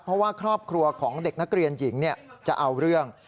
เพราะว่าครอบครัวของเด็กนักเรียนหญิงจะเอาเรื่อง